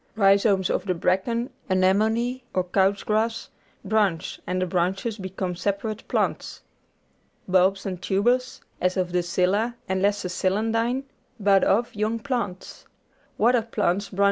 Rhizomes of the bracken, anemone, or couch grass, branch, and the branches become separate plants. Bulbs and tubers, as of the scilla and lesser celandine, bud off young Crown or Rind grafting. Splice grafting.